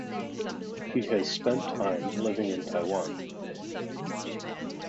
He has spent time living in Taiwan.